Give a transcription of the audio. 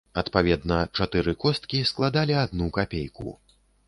Адпаведна, чатыры косткі складалі адну капейку.